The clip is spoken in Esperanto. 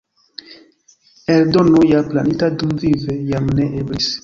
Eldono ja planita dumvive jam ne eblis.